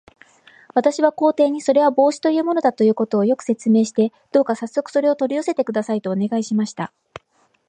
私は皇帝に、それは帽子というものだということを、よく説明して、どうかさっそくそれを取り寄せてください、とお願いしました。